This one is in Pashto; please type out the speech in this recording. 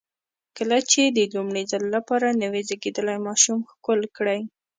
کله چې د لومړي ځل لپاره نوی زېږېدلی ماشوم ښکل کړئ.